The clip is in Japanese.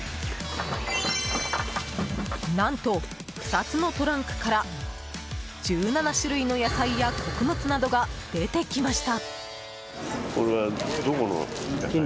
何と、２つのトランクから１７種類の野菜や穀物などが出てきました。